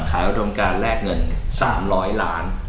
ขายอุดมการแลกเงินสามร้อยล้าน